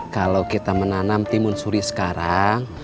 kalau kita menanam timun suri sekarang